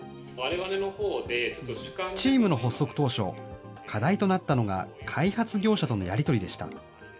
チームの発足当初、課題となったのが開発業者とのやり取りでした。